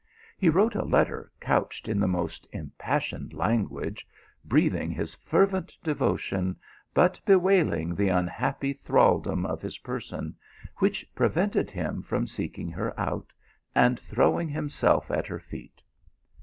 He wrote a letter couched in the most im passioned language, breathing his fervent devotion, but the unhappy thraldom of his person, which pre \ented him from seeking her out, and throwing him Silf at her feet.